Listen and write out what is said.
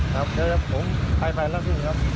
ครับเชิญครับผมไปไปแล้วสิครับ